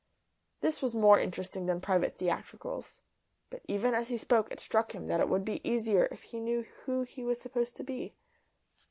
This was more interesting than private theatricals. But even as he spoke it struck him that it would be easier if he knew who he was supposed to be.